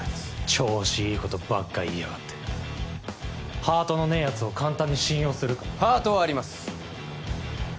調子いいことばっか言いやがってハートのねえやつを簡単に信用するかハートはあります